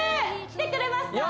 来てくれますか？